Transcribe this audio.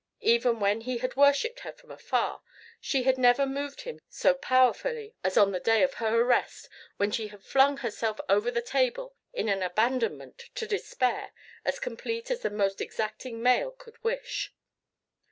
Even when he had worshipped her from afar, she had never moved him so powerfully as on the day of her arrest when she had flung herself over the table in an abandonment to despair as complete as the most exacting male could wish.